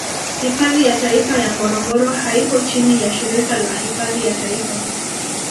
Hifadhi ya Taifa ya Ngorongoro haipo chini ya shirika la hifadhi ya Taifa